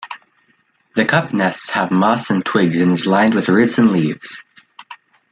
The cup nests have moss and twigs and is lined with roots and leaves.